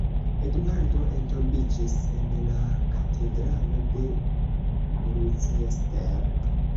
Eduardo entombiĝis en la katedralo de Gloucester.